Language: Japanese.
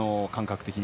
感覚的に。